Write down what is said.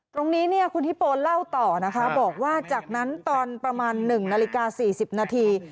ตรงนี้เนี่ยคุณฮิโปเล่าต่อนะคะบอกว่าจากนั้นตอนประมาณ๑นาฬิกา๔๐นาที